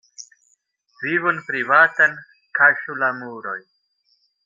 Vivon privatan kaŝu la muroj.